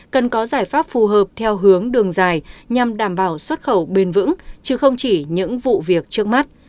cần có giải pháp phù hợp theo hướng đường dài nhằm đảm bảo xuất khẩu bền vững chứ không chỉ những vụ việc trước mắt